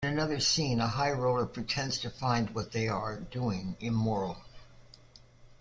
In another scene, a high roller pretends to find what they are doing immoral.